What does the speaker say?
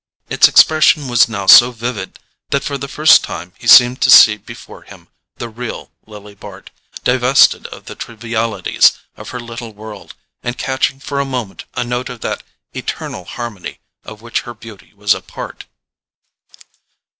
Its expression was now so vivid that for the first time he seemed to see before him the real Lily Bart, divested of the trivialities of her little world, and catching for a moment a note of that eternal harmony of which her beauty was a part.